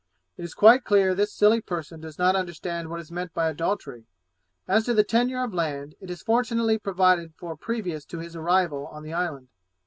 It is quite clear this silly person does not understand what is meant by adultery. As to the tenure of land, it is fortunately provided for previous to his arrival on the island.